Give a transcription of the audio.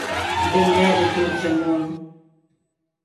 Be ne hè de torns eth mon!